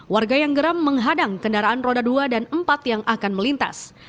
warga yang geram menghadang kendaraan roda dua dan empat yang akan melintas